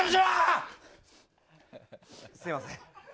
すみません。